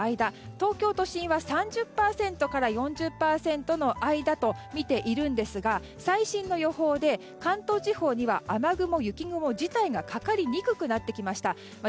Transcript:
東京都心は３０％から４０％の間と見ているんですが最新の予報で、関東地方には雨雲、雪雲自体がかかりにくくなってきました。